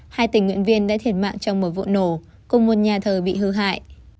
hai tình nguyện viên đã thiệt mạng trong một vụ nổ cùng một nhà thờ bị hư hại